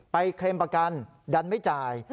เคลมประกันดันไม่จ่าย